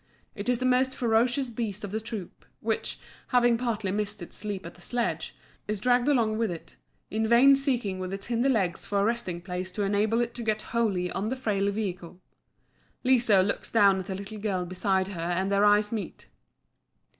It is the most ferocious beast of the troop, which, having partly missed its leap at the sledge, is dragged along with it, in vain seeking with its hinder legs for a resting place to enable it to get wholly on to the frail vehicle. Liso looks down at the little girl beside her and their eyes meet.